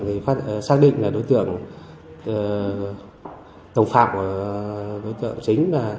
thì xác định là đối tượng đồng phạm với đối tượng chính